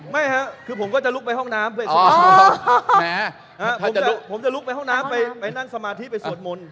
ไม่ครับคือผมก็จะลุกไปห้องน้ำเพื่อแหมผมจะลุกไปห้องน้ำไปนั่งสมาธิไปสวดมนต์